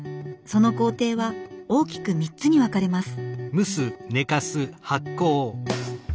その工程は大きく３つに分かれます。